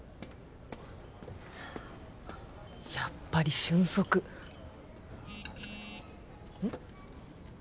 やっぱり俊足うん？